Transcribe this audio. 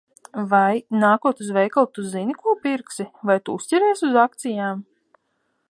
Vai, nākot uz veikalu, Tu zini, ko pirksi? Vai Tu uzķeries uz akcijām?